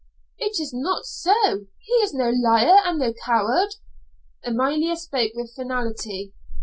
"It is not so. He is no liar and no coward." Amalia spoke with finality.